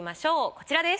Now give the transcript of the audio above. こちらです。